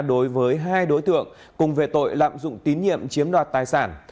đối với hai đối tượng cùng về tội lạm dụng tín nhiệm chiếm đoạt tài sản